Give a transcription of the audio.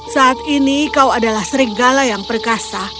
saat ini kau adalah serigala yang perkasa